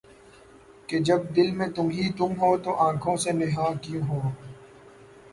کہ جب دل میں تمھیں تم ہو‘ تو آنکھوں سے نہاں کیوں ہو؟